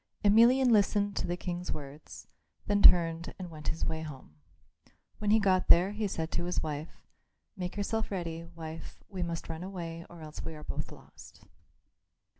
Emelian listened to the King's words; then turned and went his way home. When he got there he said to his wife, "Make yourself ready, wife; we must run away or else we are both lost."